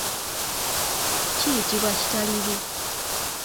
Kiyitibwa kitaliri.